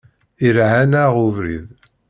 Iraɛ-aneɣ ubrid.